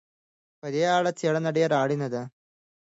په دې اړه څېړنه ډېره اړينه ده.